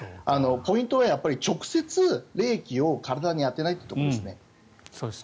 ポイントは直接、冷気を体に当てないということですね。